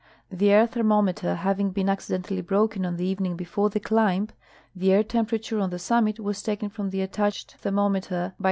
'Phe air thermometer having been accidentally broken on the evening before the climb, the air temperature on the summit was taken from the attached ther * Tho Mu